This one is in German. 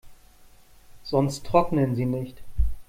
Sonst trocknen sie nicht.